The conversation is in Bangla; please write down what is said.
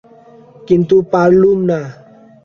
কিন্তু পারলুম না।